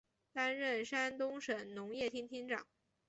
担任山东省农业厅厅长。